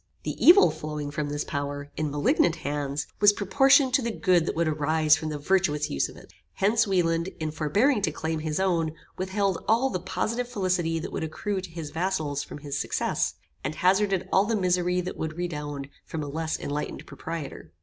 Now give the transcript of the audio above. The evil flowing from this power, in malignant hands, was proportioned to the good that would arise from the virtuous use of it. Hence, Wieland, in forbearing to claim his own, withheld all the positive felicity that would accrue to his vassals from his success, and hazarded all the misery that would redound from a less enlightened proprietor.